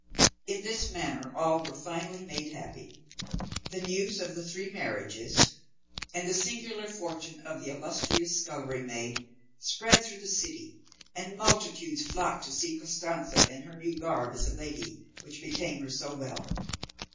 In this manner all were finally made happy. The news of the three marriages, and of the singular fortune of the illustrious scullery maid, spread through the city, and multitudes flocked to see Costanza in her new garb as a lady, which became her so well.